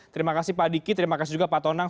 terima kasih pak diki terima kasih juga pak tonang